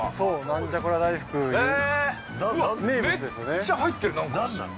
めっちゃ入ってる何か何なの？